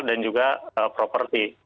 dan juga properti